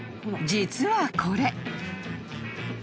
［実はこれ］